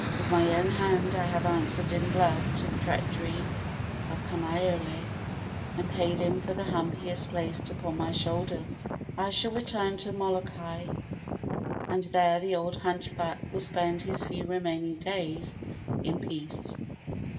With my own hand I have answered in blood to the treachery of Kamaiole, and paid him for the hump he has placed upon my shoulders. I shall return to Molokai, and there the old hunchback will spend his few remaining days in peace."